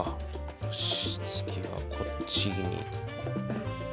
よし次はこっちに。